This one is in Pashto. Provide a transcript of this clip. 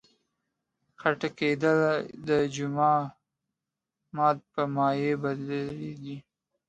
خټکېدل د جامد په مایع بدلیدل دي.